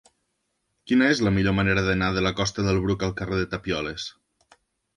Quina és la millor manera d'anar de la costa del Bruc al carrer de Tapioles?